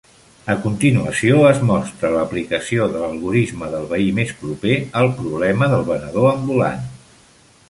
A continuació, es mostra l'aplicació de l'algorisme del veí més proper al problema del venedor ambulant.